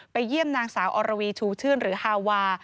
เยี่ยมนางสาวอรวีชูชื่นหรือฮาวา